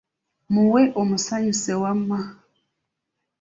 Muwe omusanyuse wamma.